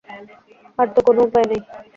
আর তো কোন উপায় নেই।